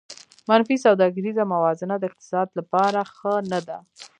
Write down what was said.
منفي سوداګریزه موازنه د اقتصاد لپاره ښه نه ده